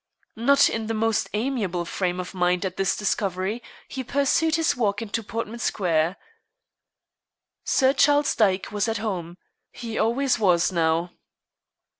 Not in the most amiable frame of mind at this discovery, he pursued his walk to Portman Square. Sir Charles Dyke was at home. He always was, now.